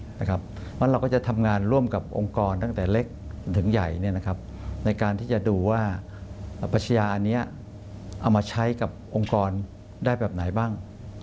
เพราะฉะนั้นเราก็จะทำงานร่วมกับองค์กรตั้งแต่เล็กถึงใหญ่ในการที่จะดูว่าปัชญาอันนี้เอามาใช้กับองค์กรได้แบบไหนบ้าง